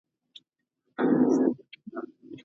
که ښوونکی خپله تېروتنه ومني نو زده کوونکي هم ورڅخه زده کوي.